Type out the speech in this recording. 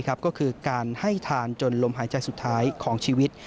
ก็คือการให้ทานจนลมหายใจสุดท้ายของชีวิต